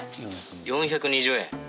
４２０円。